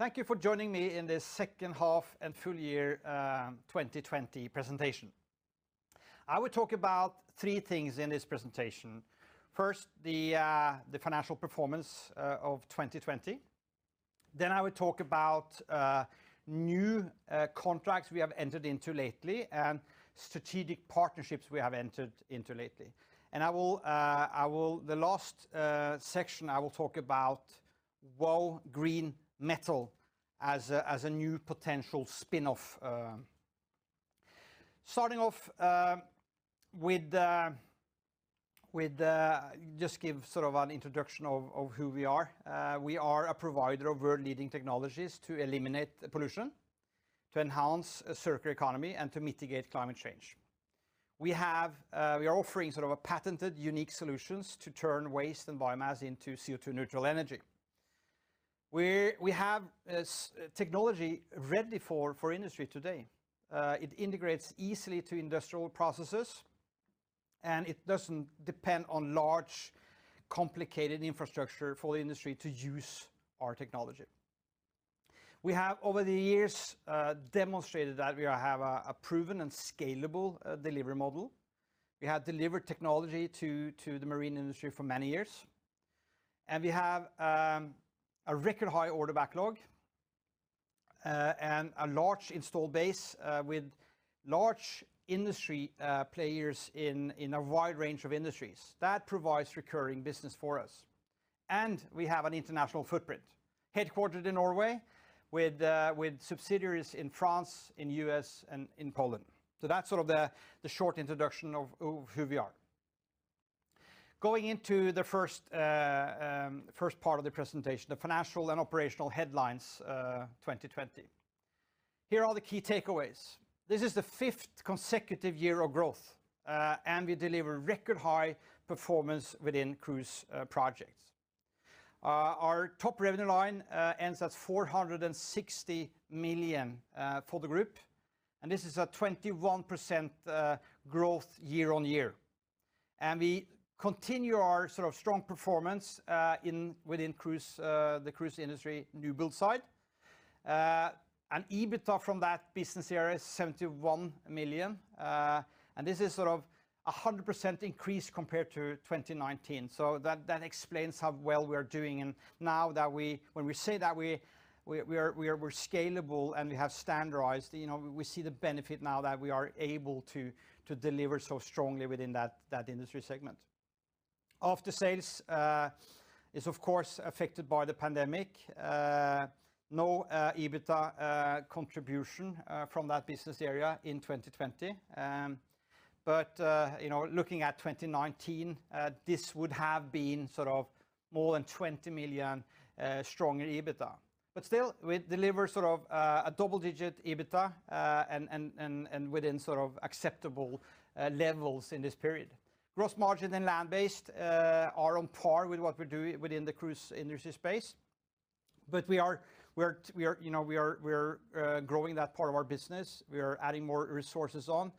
Thank you for joining me in this second half and full year 2020 presentation. I will talk about three things in this presentation. First, the financial performance of 2020. I will talk about new contracts we have entered into lately and strategic partnerships we have entered into lately. The last section, I will talk about Vow Green Metals as a new potential spin-off. Starting off with just give an introduction of who we are. We are a provider of world-leading technologies to eliminate pollution, to enhance a circular economy, and to mitigate climate change. We are offering patented, unique solutions to turn waste and biomass into CO2 neutral energy. We have a technology ready for industry today. It integrates easily to industrial processes, and it doesn't depend on large, complicated infrastructure for industry to use our technology. We have, over the years, demonstrated that we have a proven and scalable delivery model. We have delivered technology to the marine industry for many years, and we have a record high order backlog and a large install base with large industry players in a wide range of industries. That provides recurring business for us. We have an international footprint, headquartered in Norway with subsidiaries in France, in U.S., and in Poland. That's the short introduction of who we are. Going into the first part of the presentation, the financial and operational headlines 2020. Here are the key takeaways. This is the fifth consecutive year of growth, and we deliver record high performance within cruise projects. Our top revenue line ends at 460 million for the group, and this is a 21% growth year-on-year. We continue our strong performance within the cruise industry newbuild side. EBITDA from that business area is 71 million, and this is 100% increase compared to 2019. That explains how well we are doing. When we say that we're scalable and we have standardized, we see the benefit now that we are able to deliver so strongly within that industry segment. Aftersales is, of course, affected by the pandemic. No EBITDA contribution from that business area in 2020. Looking at 2019, this would have been more than 20 million stronger EBITDA. Still, we deliver a double-digit EBITDA and within acceptable levels in this period. Gross margin and land-based are on par with what we do within the cruise industry space, but we're growing that part of our business. We are adding more resources on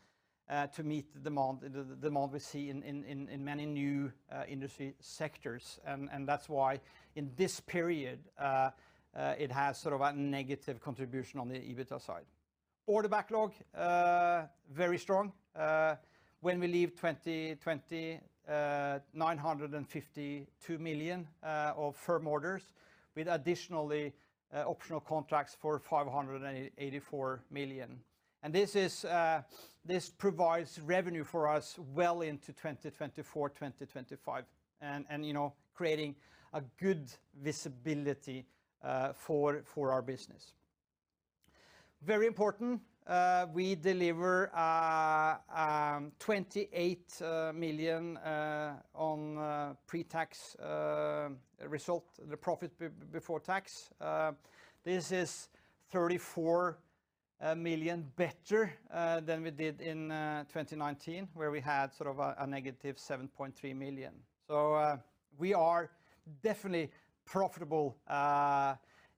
to meet the demand we see in many new industry sectors, that's why in this period, it has a negative contribution on the EBITDA side. Order backlog, very strong. When we leave 2020, 952 million of firm orders with additionally optional contracts for 584 million. This provides revenue for us well into 2024, 2025, and creating a good visibility for our business. Very important, we deliver 28 million on pre-tax result, the profit before tax. This is 34 million better than we did in 2019, where we had a -7.3 million. We are definitely profitable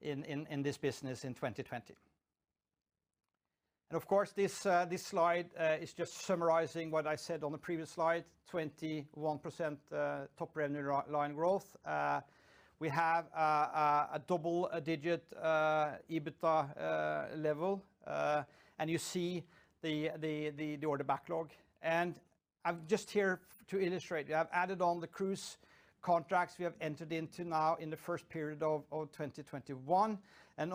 in this business in 2020. Of course, this slide is just summarizing what I said on the previous slide, 21% top revenue line growth. We have a double-digit EBITDA level, and you see the order backlog. Just here to illustrate, I've added on the cruise contracts we have entered into now in the first period of 2021, and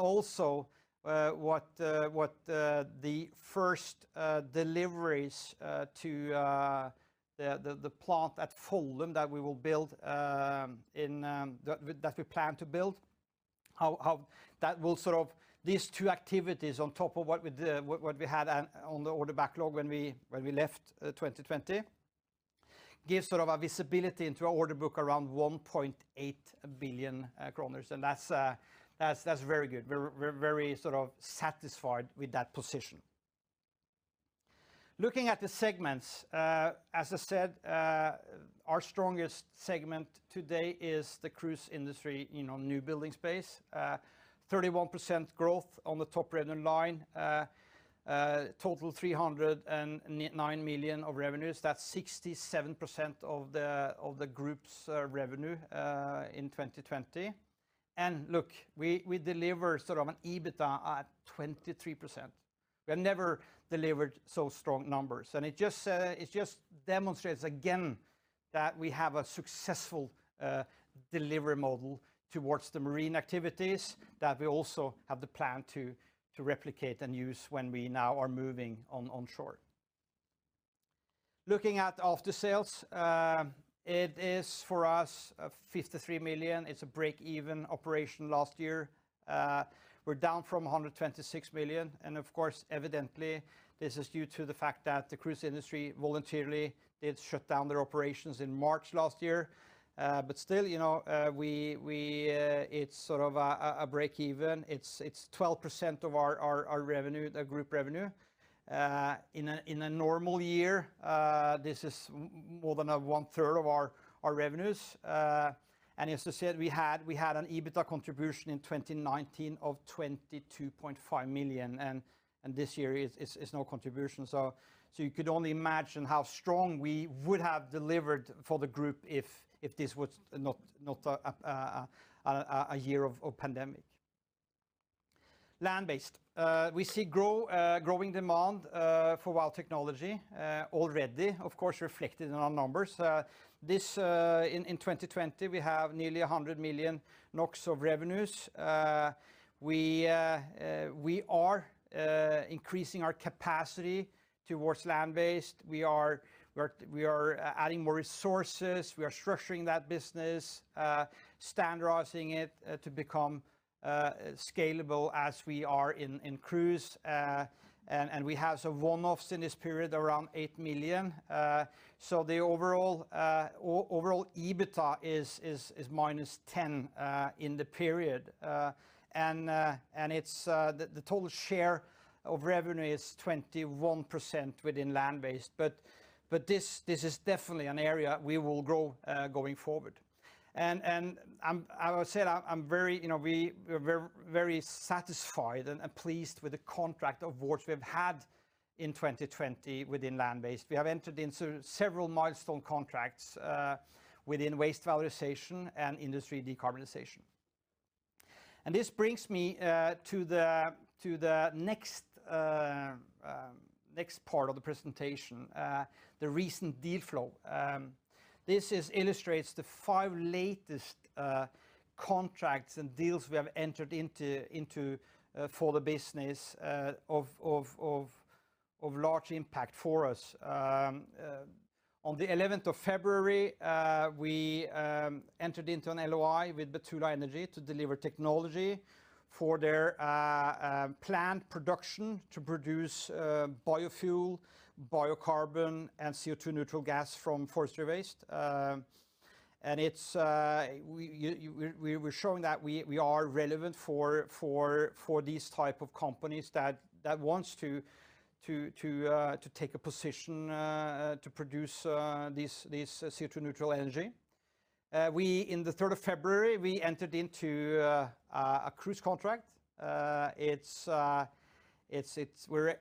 also what the first deliveries to the plant at Follum that we plan to build. These two activities on top of what we had on the order backlog when we left 2020 gives a visibility into our order book around 1.8 billion kroner, and that's very good. We're very satisfied with that position. Looking at the segments, as I said, our strongest segment today is the cruise industry new building space. 31% growth on the top revenue line, total 309 million of revenues. That's 67% of the group's revenue in 2020. Look, we deliver an EBITDA at 23%. We have never delivered so strong numbers, and it just demonstrates again that we have a successful delivery model towards the marine activities that we also have the plan to replicate and use when we now are moving onshore. Looking at after sales, it is for us 53 million. It's a break-even operation last year. We're down from 126 million, and of course, evidently, this is due to the fact that the cruise industry voluntarily did shut down their operations in March last year. Still, it's a break-even. It's 12% of our group revenue. In a normal year, this is more than 1/3 of our revenues. As I said, we had an EBITDA contribution in 2019 of 22.5 million, and this year is no contribution. You could only imagine how strong we would have delivered for the group if this was not a year of pandemic. Landbased. We see growing demand for Vow technology already, of course, reflected in our numbers. In 2020, we have nearly 100 million NOK of revenues. We are increasing our capacity towards Landbased. We are adding more resources. We are structuring that business, standardizing it to become scalable as we are in cruise. We have some one-offs in this period around 8 million. The overall EBITDA is -10 million in the period. The total share of revenue is 21% within Landbased, but this is definitely an area we will grow going forward. As I said, we're very satisfied and pleased with the contract awards we have had in 2020 within Landbased. We have entered into several milestone contracts within waste valorization and industry decarbonization. This brings me to the next part of the presentation, the recent deal flow. This illustrates the five latest contracts and deals we have entered into for the business of large impact for us. On the 11th of February, we entered into an LOI with Betula Energy to deliver technology for their planned production to produce biofuel, biocarbon, and CO2 neutral gas from forestry waste. We're showing that we are relevant for these type of companies that wants to take a position to produce this CO2 neutral energy. In the 3rd of February, we entered into a cruise contract. We're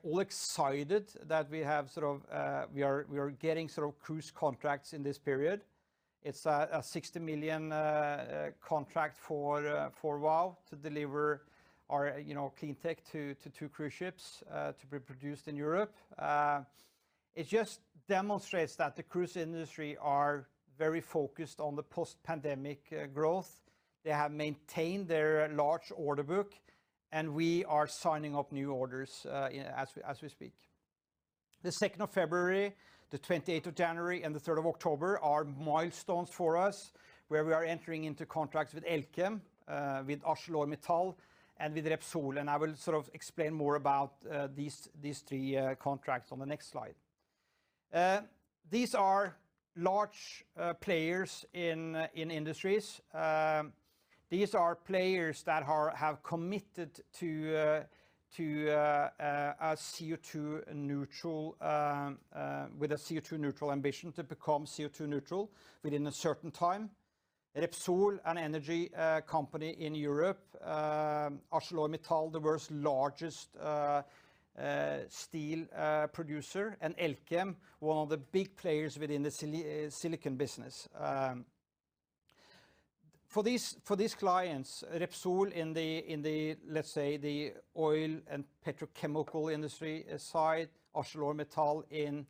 all excited that we are getting cruise contracts in this period. It's a 60 million contract for Vow to deliver our clean tech to two cruise ships to be produced in Europe. It just demonstrates that the cruise industry are very focused on the post-pandemic growth. They have maintained their large order book. We are signing up new orders as we speak. The 2nd of February, the 28th of January, and the 3rd of October are milestones for us, where we are entering into contracts with Elkem, with ArcelorMittal, and with Repsol. I will explain more about these three contracts on the next slide. These are large players in industries. These are players that have committed with a CO2 neutral ambition to become CO2 neutral within a certain time. Repsol, an energy company in Europe, ArcelorMittal, the world's largest steel producer, and Elkem, one of the big players within the silicon business. For these clients, Repsol in the oil and petrochemical industry side, ArcelorMittal in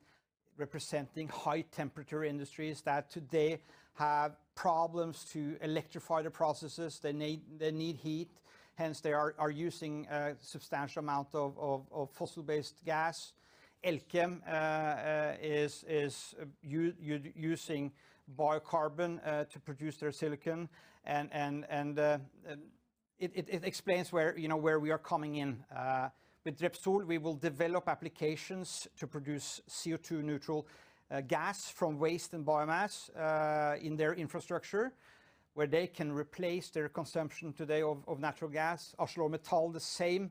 representing high-temperature industries that today have problems to electrify their processes, they need heat, hence they are using a substantial amount of fossil-based gas. Elkem is using biocarbon to produce their silicon. It explains where we are coming in. With Repsol, we will develop applications to produce CO2 neutral gas from waste and biomass in their infrastructure, where they can replace their consumption today of natural gas. ArcelorMittal, the same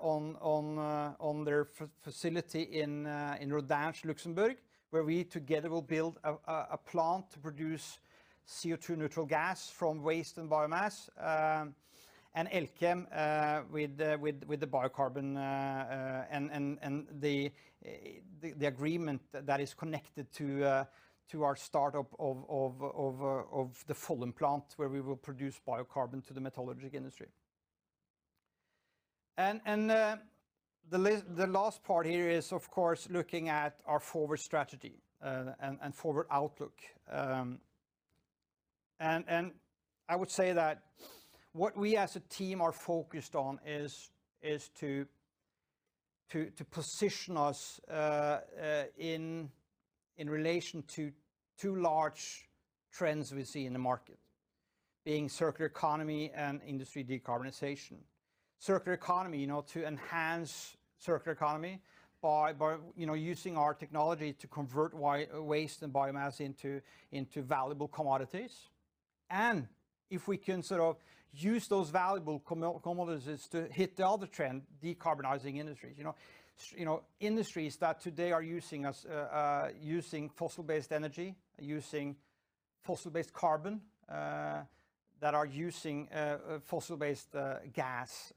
on their facility in Rodange, Luxembourg, where we together will build a plant to produce CO2 neutral gas from waste and biomass. Elkem with the biocarbon and the agreement that is connected to our startup of the Follum plant where we will produce biocarbon to the metallurgical industry. The last part here is, of course, looking at our forward strategy and forward outlook. I would say that what we as a team are focused on is to position us in relation to two large trends we see in the market, being circular economy and industry decarbonization. Circular economy, to enhance circular economy by using our technology to convert waste and biomass into valuable commodities. If we can use those valuable commodities to hit the other trend, decarbonizing industries. Industries that today are using fossil-based energy, using fossil-based carbon, that are using fossil-based gas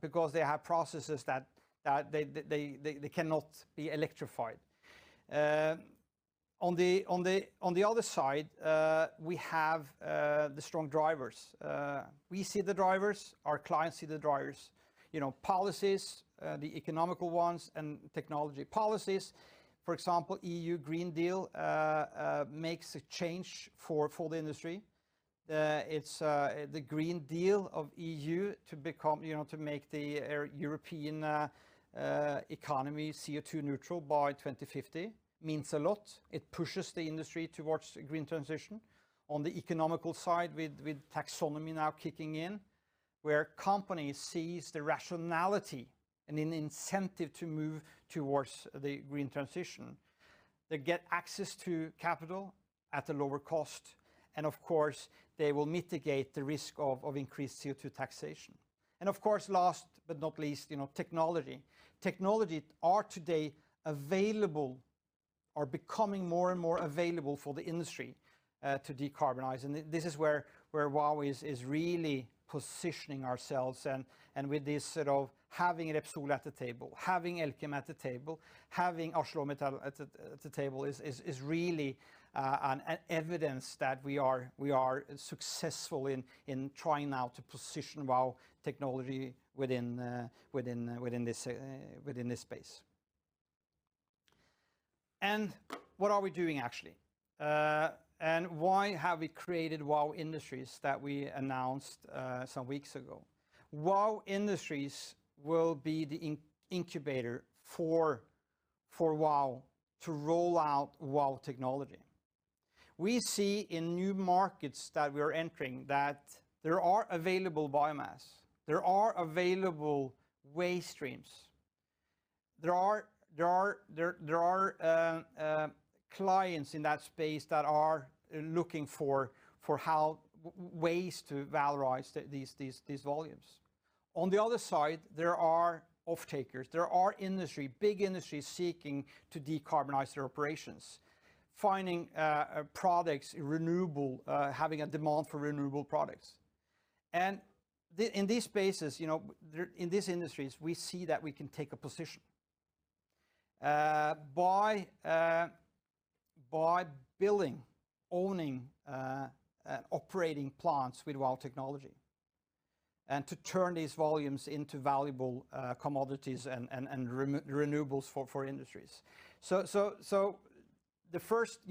because they have processes that they cannot be electrified. On the other side, we have the strong drivers. We see the drivers, our clients see the drivers, policies, the economical ones, and technology policies. For example, EU Green Deal makes a change for the industry. It's the Green Deal of EU to make the European economy CO2 neutral by 2050 means a lot. It pushes the industry towards green transition on the economical side with taxonomy now kicking in, where companies sees the rationality and an incentive to move towards the green transition. They get access to capital at a lower cost, and of course they will mitigate the risk of increased CO2 taxation. Of course last but not least, technology. Technology are today available, are becoming more and more available for the industry to decarbonize. This is where Vow is really positioning ourselves and with this sort of having Repsol at the table, having Elkem at the table, having ArcelorMittal at the table is really an evidence that we are successful in trying now to position Vow technology within this space. What are we doing actually? Why have we created Vow Industries that we announced some weeks ago? Vow Industries will be the incubator for Vow to roll out Vow technology. We see in new markets that we're entering that there are available biomass, there are available waste streams. There are clients in that space that are looking for ways to valorize these volumes. On the other side, there are off-takers. There are industry, big industries seeking to decarbonize their operations, finding products renewable, having a demand for renewable products. In these spaces, in these industries, we see that we can take a position by building, owning, operating plants with Vow technology and to turn these volumes into valuable commodities and renewables for industries. The first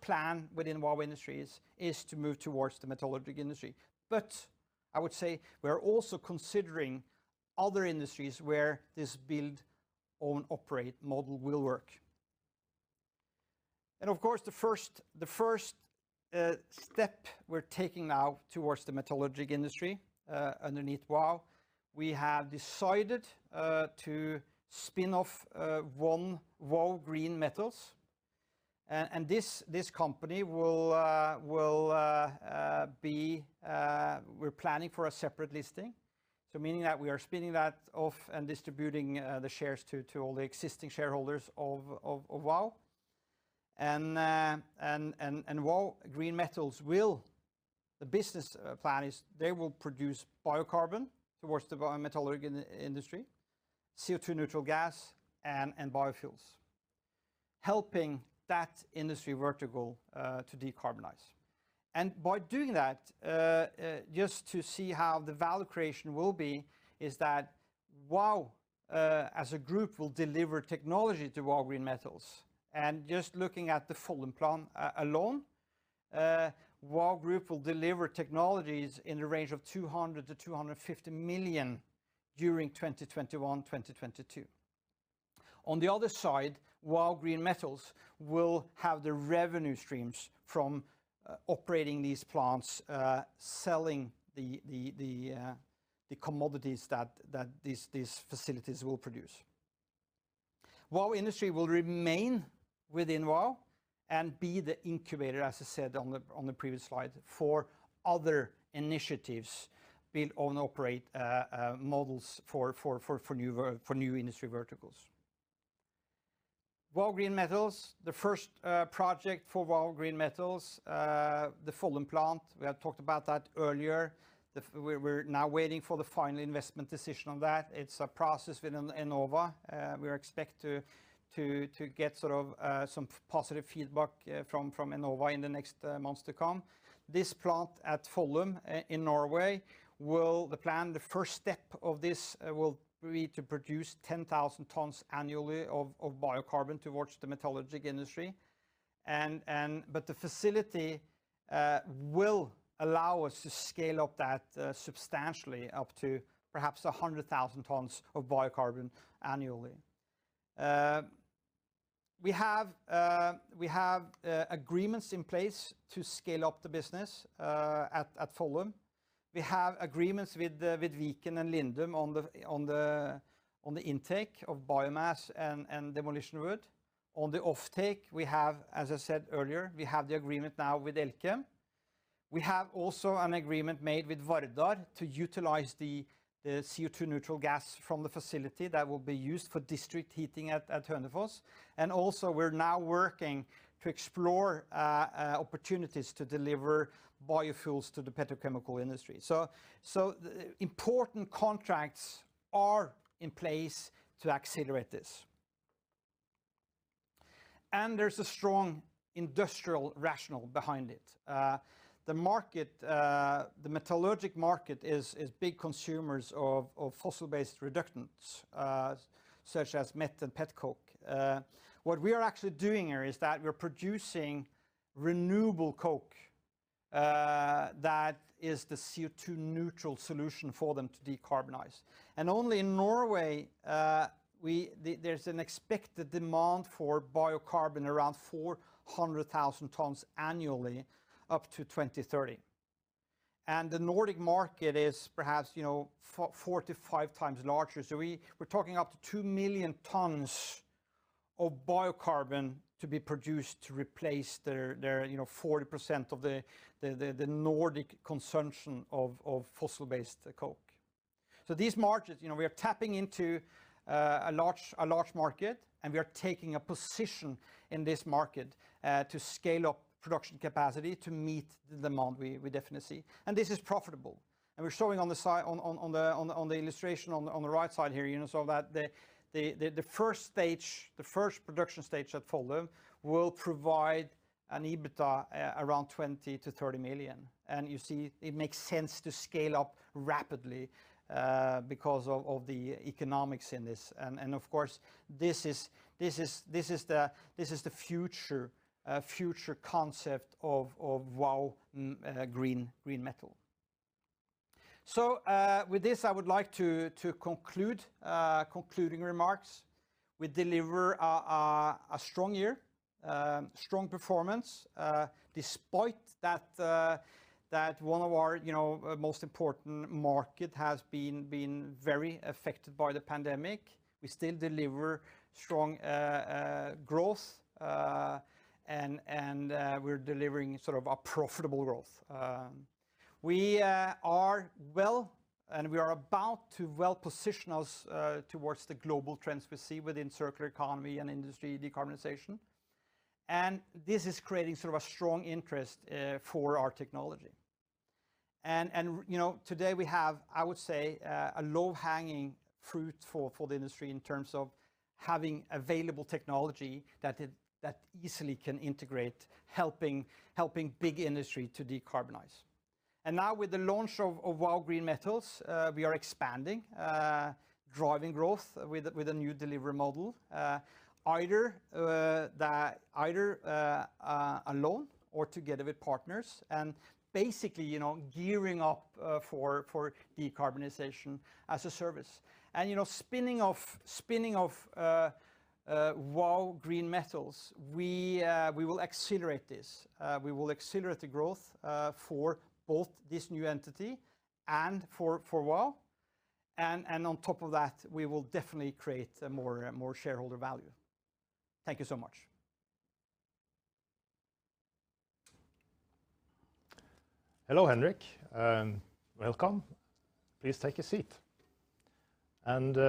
plan within Vow Industries is to move towards the metallurgical industry. I would say we are also considering other industries where this build own operate model will work. Of course, the first step we're taking now towards the metallurgical industry, underneath Vow, we have decided to spin off one Vow Green Metals. This company we're planning for a separate listing, so meaning that we are spinning that off and distributing the shares to all the existing shareholders of Vow. Vow Green Metals, the business plan is they will produce biocarbon towards the metallurgical industry, CO2 neutral gas and biofuels, helping that industry vertical to decarbonize. By doing that, just to see how the value creation will be is that Vow as a group will deliver technology to Vow Green Metals. Just looking at the Follum plant alone, Vow Group will deliver technologies in the range of 200 million-250 million during 2021, 2022. On the other side, Vow Green Metals will have the revenue streams from operating these plants, selling the commodities that these facilities will produce. Vow Industries will remain within Vow and be the incubator, as I said on the previous slide, for other initiatives build own operate models for new industry verticals. Vow Green Metals, the first project for Vow Green Metals, the Follum plant, we have talked about that earlier. We're now waiting for the final investment decision on that. It's a process with Enova. We expect to get some positive feedback from Enova in the next months to come. This plant at Follum in Norway, the first step of this will be to produce 10,000 tons annually of biocarbon towards the metallurgical industry. The facility will allow us to scale up that substantially up to perhaps 100,000 tons of biocarbon annually. We have agreements in place to scale up the business at Follum. We have agreements with Viken and Lindum on the intake of biomass and demolition wood. On the offtake, as I said earlier, we have the agreement now with Elkem. We have also an agreement made with Vardar to utilize the CO2 neutral gas from the facility that will be used for district heating at Hønefoss. Also we're now working to explore opportunities to deliver biofuels to the petrochemical industry. Important contracts are in place to accelerate this. There's a strong industrial rationale behind it. The metallurgical market is big consumers of fossil-based reductants, such as met coke and petcoke. What we are actually doing here is that we're producing renewable coke, that is the CO2 neutral solution for them to decarbonize. Only in Norway, there's an expected demand for biocarbon around 400,000 tons annually up to 2030. The Nordic market is perhaps four to five times larger. We're talking up to 2 million tons of biocarbon to be produced to replace 40% of the Nordic consumption of fossil-based coke. These markets, we are tapping into a large market, and we are taking a position in this market, to scale up production capacity to meet the demand we definitely see. This is profitable. We're showing on the illustration on the right side here, you saw that the first production stage at Follum will provide an EBITDA around 20 million-30 million. You see it makes sense to scale up rapidly, because of the economics in this. Of course, this is the future concept of Vow Green Metals. With this, I would like to conclude. Concluding remarks. We deliver a strong year, strong performance, despite that one of our most important market has been very affected by the pandemic. We still deliver strong growth, and we're delivering a profitable growth. We are well. We are about to well position us towards the global trends we see within circular economy and industry decarbonization. This is creating a strong interest for our technology. Today we have, I would say, a low-hanging fruit for the industry in terms of having available technology that easily can integrate, helping big industry to decarbonize. Now with the launch of Vow Green Metals, we are expanding, driving growth with a new delivery model, either alone or together with partners and basically gearing up for decarbonization as a service. Spinning of Vow Green Metals, we will accelerate this. We will accelerate the growth for both this new entity and for Vow. On top of that, we will definitely create more shareholder value. Thank you so much. Hello, Henrik. Welcome. Please take a seat.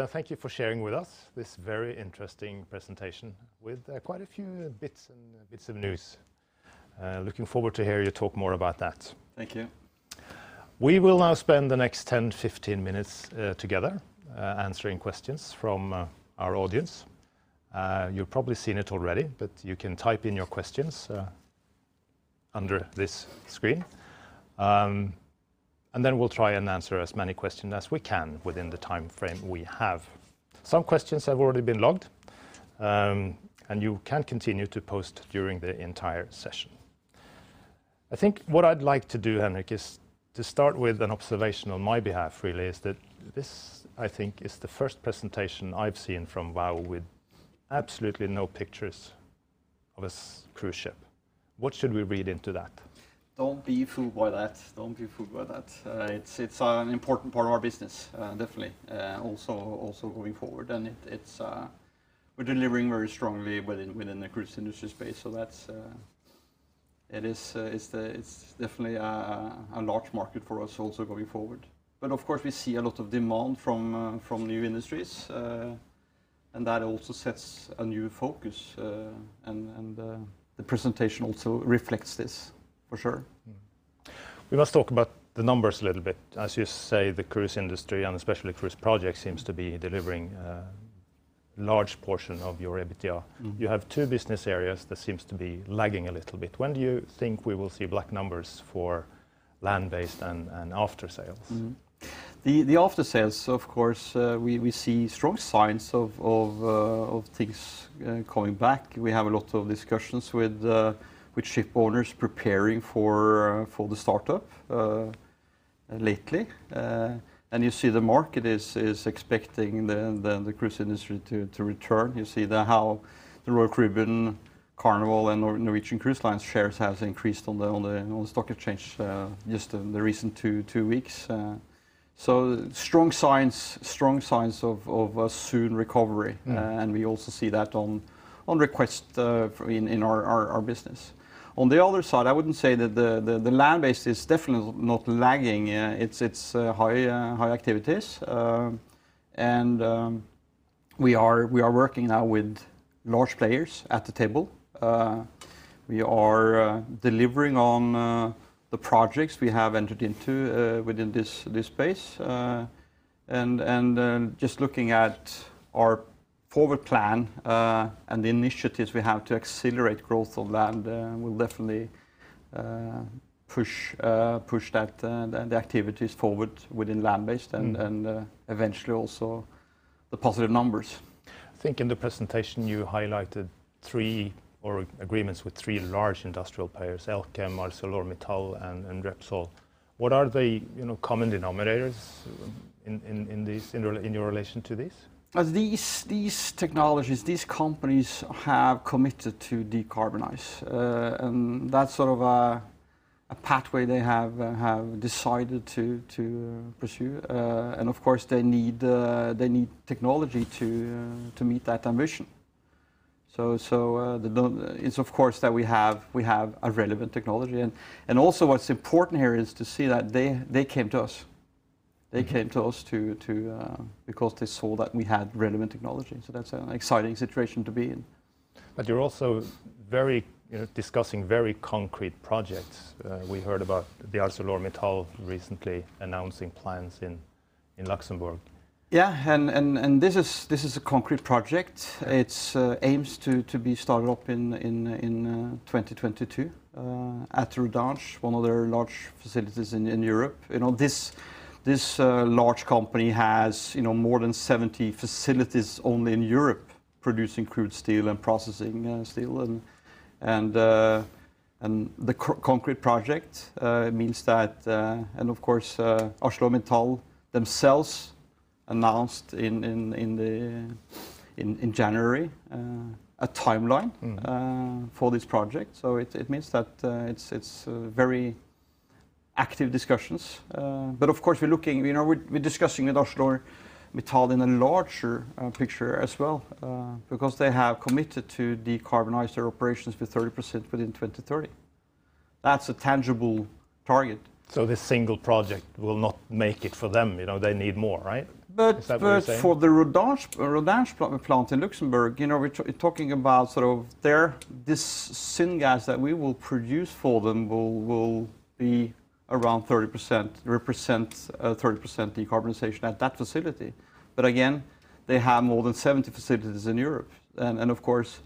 Thank you for sharing with us this very interesting presentation with quite a few bits of news. Looking forward to hear you talk more about that. Thank you. We will now spend the next 10, 15 minutes together answering questions from our audience. You've probably seen it already, but you can type in your questions under this screen. Then we'll try and answer as many questions as we can within the timeframe we have. Some questions have already been logged, and you can continue to post during the entire session. I think what I'd like to do, Henrik, is to start with an observation on my behalf really, is that this, I think is the first presentation I've seen from Vow with absolutely no pictures of a cruise ship. What should we read into that? Don't be fooled by that. It's an important part of our business, definitely, also going forward. We're delivering very strongly within the cruise industry space. It is definitely a large market for us also going forward. Of course, we see a lot of demand from new industries, and that also sets a new focus, and the presentation also reflects this, for sure. We must talk about the numbers a little bit. As you say, the cruise industry, and especially cruise projects, seems to be delivering a large portion of your EBITDA. You have two business areas that seems to be lagging a little bit. When do you think we will see black numbers for Landbased and Aftersales? Mm-hmm. The Aftersales, of course, we see strong signs of things coming back. We have a lot of discussions with ship owners preparing for the startup lately. You see the market is expecting the cruise industry to return. You see how the Royal Caribbean, Carnival, and Norwegian Cruise Line shares have increased on the stock exchange just in the recent two weeks. Strong signs of a soon recovery. We also see that on requests in our business. On the other side, I wouldn't say that the Landbased is definitely not lagging. It's high activities. We are working now with large players at the table. We are delivering on the projects we have entered into within this space. Just looking at our forward plan and the initiatives we have to accelerate growth on land, we will definitely push the activities forward within Landbased and eventually also the positive numbers. I think in the presentation you highlighted agreements with three large industrial players, Elkem, ArcelorMittal, and Repsol. What are the common denominators in your relation to this? These technologies, these companies have committed to decarbonize, that's sort of a pathway they have decided to pursue. Of course, they need technology to meet that ambition. It's of course that we have a relevant technology. Also what's important here is to see that they came to us. They came to us because they saw that we had relevant technology. That's an exciting situation to be in. You're also discussing very concrete projects. We heard about the ArcelorMittal recently announcing plans in Luxembourg. Yeah, this is a concrete project. Yeah. It aims to be started up in 2022 at Rodange, one of their large facilities in Europe. This large company has more than 70 facilities only in Europe producing crude steel and processing steel, and the concrete project means that. Of course, ArcelorMittal themselves announced in January a timeline for this project. It means that it's very active discussions. Of course, we're discussing with ArcelorMittal in a larger picture as well, because they have committed to decarbonize their operations with 30% within 2030. That's a tangible target. This single project will not make it for them. They need more, right? Is that what you're saying? For the Rodange plant in Luxembourg, we're talking about this syngas that we will produce for them will represent a 30% decarbonization at that facility. Again, they have more than 70 facilities in Europe, and of course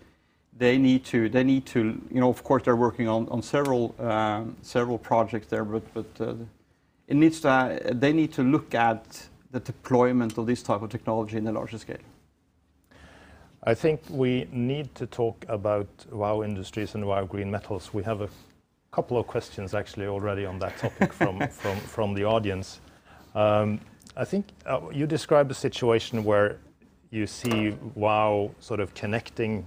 they're working on several projects there, but they need to look at the deployment of this type of technology in a larger scale. I think we need to talk about Vow Industries and Vow Green Metals. We have a couple of questions actually already on that topic from the audience. I think you describe a situation where you see Vow sort of connecting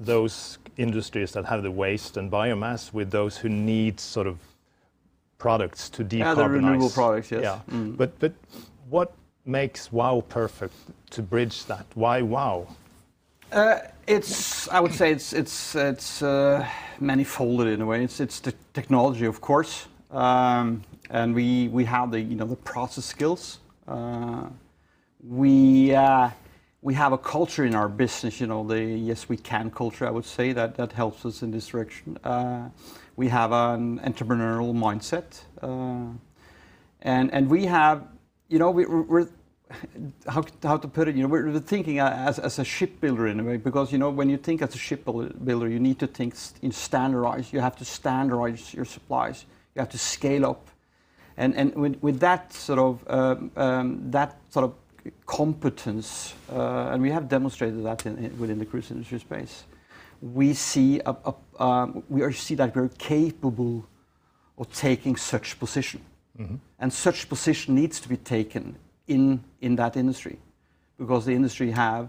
those industries that have the waste and biomass with those who need sort of products to decarbonize. Yeah, the renewable products. Yes. Yeah. What makes Vow perfect to bridge that? Why Vow? I would say it's manifolded in a way. It's the technology, of course, and we have the process skills. We have a culture in our business, the yes we can culture, I would say, that helps us in this direction. We have an entrepreneurial mindset. How to put it? We're thinking as a ship builder in a way, because when you think as a ship builder, you need to think in standardized. You have to standardize your supplies. You have to scale up. With that sort of competence, and we have demonstrated that within the cruise industry space, we see that we're capable of taking such position. Such position needs to be taken in that industry because the industry have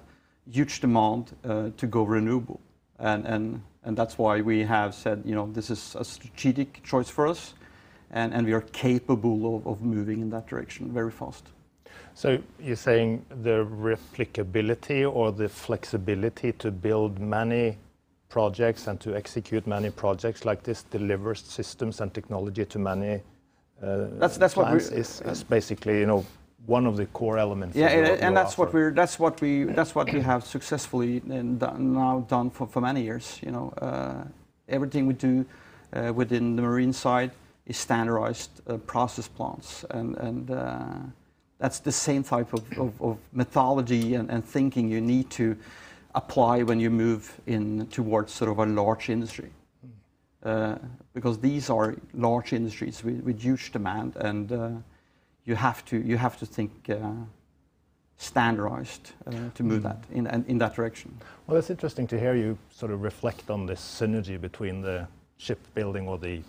huge demand to go renewable, and that's why we have said this is a strategic choice for us, and we are capable of moving in that direction very fast. You're saying the replicability or the flexibility to build many projects and to execute many projects like this delivers systems and technology to many. That's what we're- Plants is basically one of the core elements of what you offer? Yeah, that's what we have successfully now done for many years. Everything we do within the marine side is standardized process plants, and that's the same type of methodology and thinking you need to apply when you move towards a large industry. Because these are large industries with huge demand, and you have to think standardized to move that in that direction. Well, it's interesting to hear you reflect on this synergy between the shipbuilding or the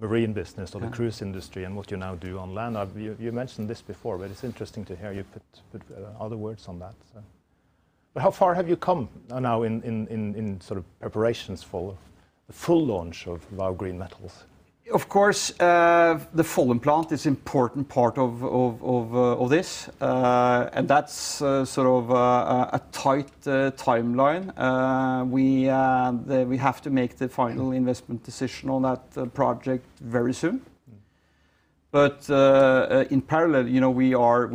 marine business or the cruise industry and what you now do on land. You mentioned this before, but it's interesting to hear you put other words on that. How far have you come now in preparations for the full launch of Vow Green Metals? Of course, the Follum plant is important part of this. That's a tight timeline. We have to make the final investment decision on that project very soon. In parallel, we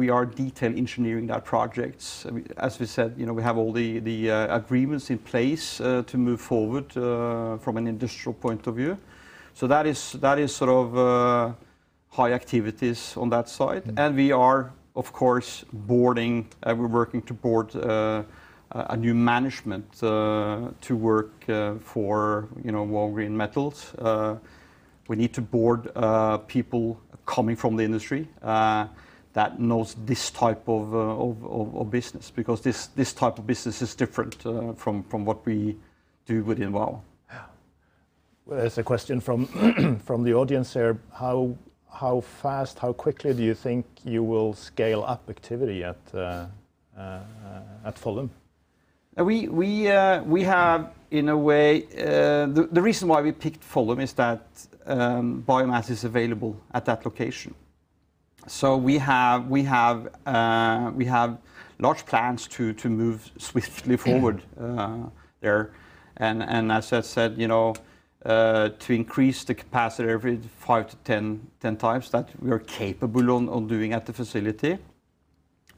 are detail engineering that project. As we said, we have all the agreements in place to move forward from an industrial point of view. That is high activities on that side. We are, of course, boarding, working to board a new management to work for Vow Green Metals. We need to board people coming from the industry that knows this type of business because this type of business is different from what we do within Vow. Yeah. Well, there's a question from the audience here. How fast, how quickly do you think you will scale up activity at Follum? The reason why we picked Follum is that biomass is available at that location. We have large plans to move swiftly forward there. As I said, to increase the capacity every 5-10 times, that we are capable of doing at the facility.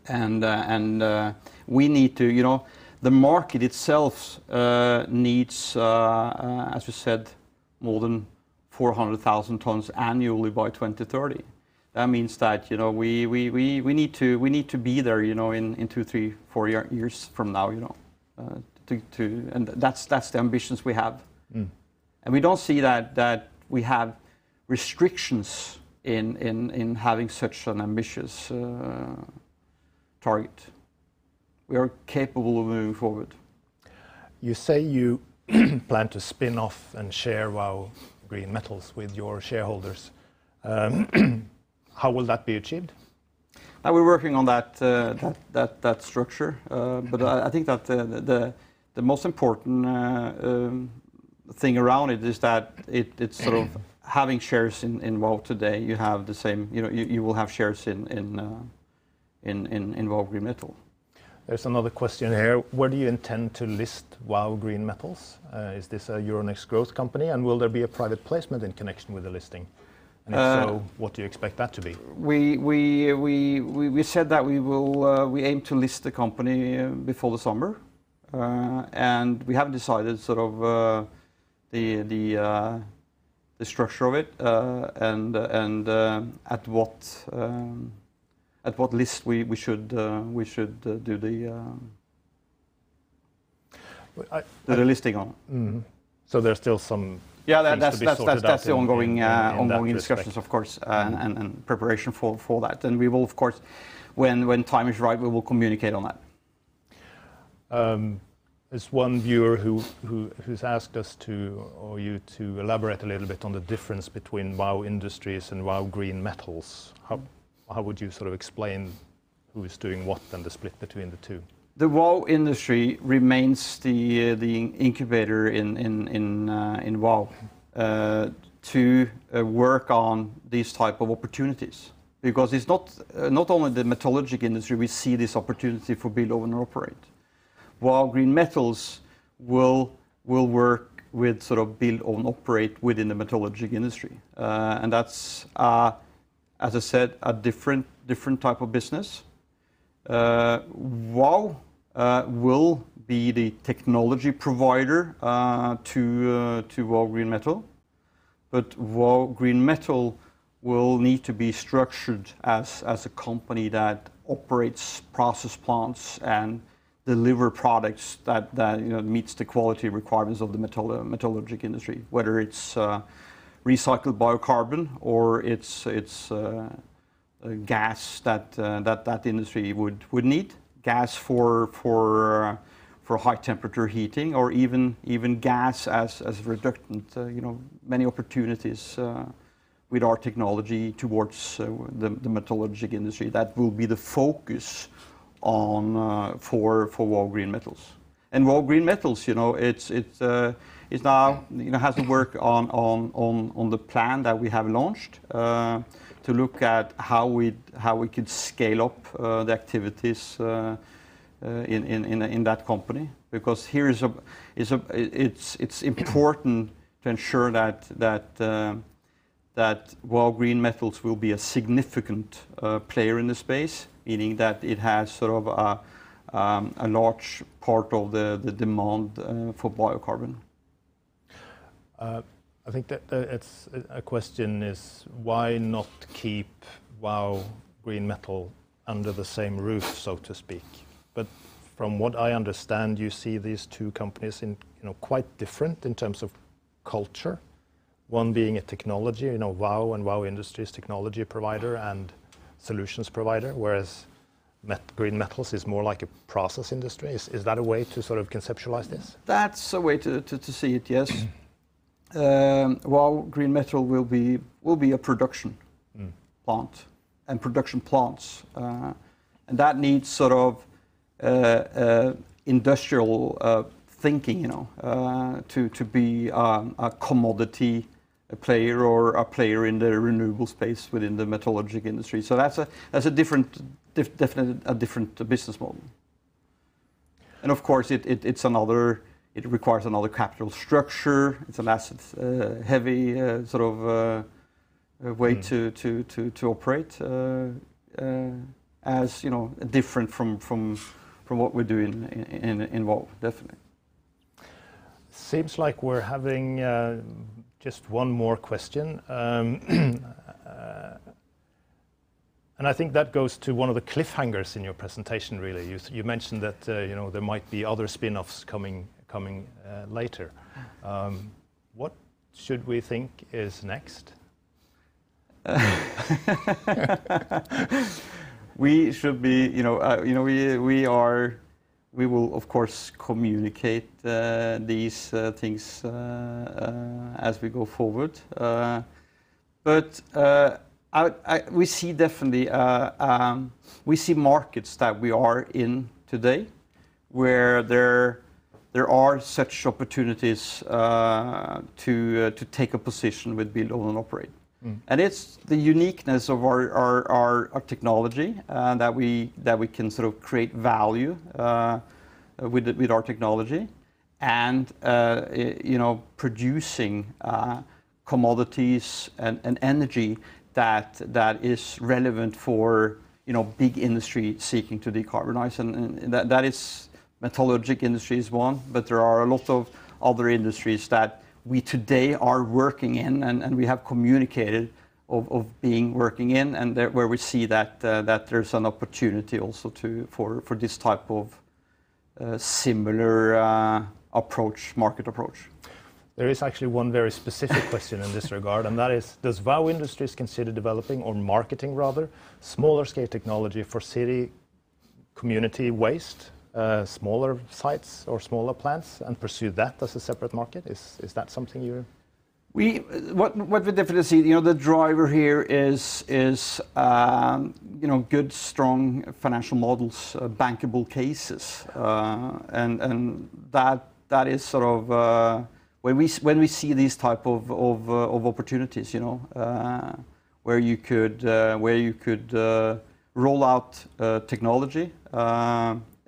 The market itself needs, as we said, more than 400,000 tons annually by 2030. That means that we need to be there in two, three, four years from now. That's the ambitions we have. We don't see that we have restrictions in having such an ambitious target. We are capable of moving forward. You say you plan to spin off and share Vow Green Metals with your shareholders. How will that be achieved? We're working on that structure. I think that the most important thing around it is that it's having shares in Vow today, you will have shares in Vow Green Metals. There's another question here. Where do you intend to list Vow Green Metals? Is this a Euronext Growth company, and will there be a private placement in connection with the listing? If so, what do you expect that to be? We said that we aim to list the company before the summer. We haven't decided the structure of it and at what list we should do the listing on. There's still some things to be sorted out in that respect? Yeah, that's the ongoing discussions of course, and preparation for that. We will, of course, when time is right, we will communicate on that. There's one viewer who's asked us, or you, to elaborate a little bit on the difference between Vow Industries and Vow Green Metals. How would you explain who is doing what and the split between the two? The Vow Industries remains the incubator in Vow to work on these type of opportunities because it's not only the metallurgical industry we see this opportunity for build, own, and operate. Vow Green Metals will work with build, own, operate within the metallurgical industry. That's, as I said, a different type of business. Vow will be the technology provider to Vow Green Metals, but Vow Green Metals will need to be structured as a company that operates process plants and deliver products that meets the quality requirements of the metallurgical industry, whether it's recycled biocarbon or it's gas that that industry would need, gas for high temperature heating or even gas as reductant. Many opportunities with our technology towards the metallurgical industry. That will be the focus for Vow Green Metals. Vow Green Metals, it now has to work on the plan that we have launched to look at how we could scale up the activities in that company. Because here it's important to ensure that Vow Green Metals will be a significant player in the space, meaning that it has sort of a large part of the demand for biocarbon. I think that a question is why not keep Vow Green Metals under the same roof, so to speak. From what I understand, you see these two companies in quite different in terms of culture. One being a technology, Vow and Vow Industries is technology provider and solutions provider, whereas Green Metals is more like a process industry. Is that a way to sort of conceptualize this? That's a way to see it, yes. Vow Green Metals will be a production plant, production plants, that needs sort of industrial thinking to be a commodity player or a player in the renewable space within the metallurgical industry. That's definitely a different business model. Of course, it requires another capital structure. It's an asset heavy sort of way to operate as different from what we do in Vow, definitely. Seems like we're having just one more question. I think that goes to one of the cliffhangers in your presentation, really. You mentioned that there might be other spinoffs coming later. What should we think is next? We will, of course, communicate these things as we go forward. We see markets that we are in today where there are such opportunities to take a position with build own operate. It's the uniqueness of our technology that we can sort of create value with our technology and producing commodities and energy that is relevant for big industry seeking to decarbonize, and metallurgical industry is one, but there are a lot of other industries that we today are working in, and we have communicated of being working in, and where we see that there's an opportunity also too for this type of similar market approach. There is actually one very specific question in this regard, and that is: Does Vow Industries consider developing or marketing, rather, smaller scale technology for city community waste, smaller sites or smaller plants, and pursue that as a separate market? What we definitely see, the driver here is good, strong financial models, bankable cases. When we see these type of opportunities where you could roll out technology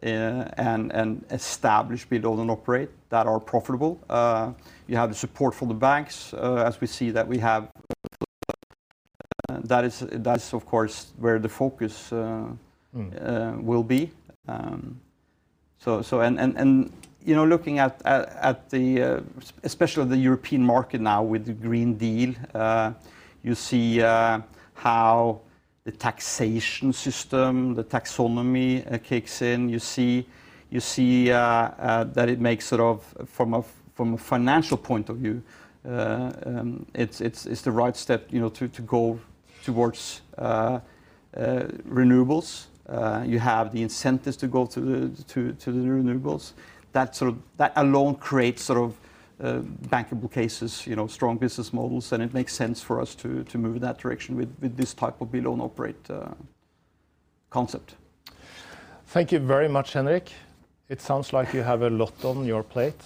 and establish build own operate that are profitable. You have the support from the banks as we see that we have. That is, of course, where the focus will be. Looking at especially the European market now with the Green Deal, you see how the taxation system, the taxonomy kicks in. You see that it makes sort of, from a financial point of view, it's the right step to go towards renewables. You have the incentives to go to the renewables. That alone creates sort of bankable cases, strong business models, and it makes sense for us to move in that direction with this type of build own operate concept. Thank you very much, Henrik. It sounds like you have a lot on your plate.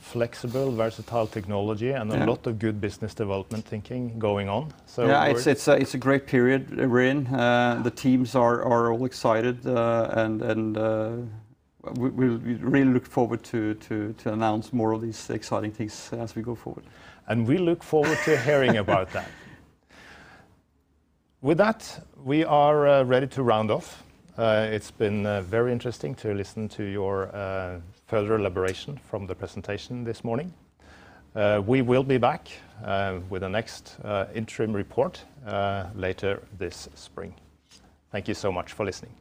Flexible, versatile technology- Yeah A lot of good business development thinking going on. Yeah, it's a great period we're in. The teams are all excited and we really look forward to announce more of these exciting things as we go forward. We look forward to hearing about that. With that, we are ready to round off. It's been very interesting to listen to your further elaboration from the presentation this morning. We will be back with the next interim report later this spring. Thank you so much for listening.